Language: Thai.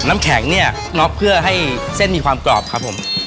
น้ำแข็งเนี่ยน็อกเพื่อให้เส้นมีความกรอบครับผม